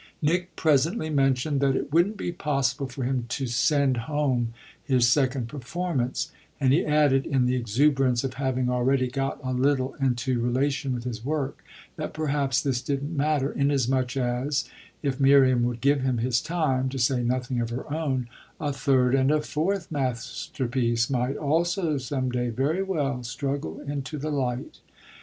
Nick presently mentioned that it wouldn't be possible for him to "send home" his second performance; and he added, in the exuberance of having already got a little into relation with his work, that perhaps this didn't matter, inasmuch as if Miriam would give him his time, to say nothing of her own a third and a fourth masterpiece might also some day very well struggle into the light.